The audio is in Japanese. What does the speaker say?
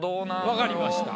わかりました。